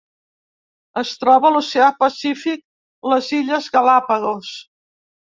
Es troba a l'oceà Pacífic: les illes Galápagos.